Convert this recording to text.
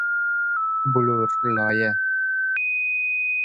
بلورلایه